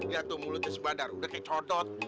dia tuh mulutnya sebadar udah kayak codot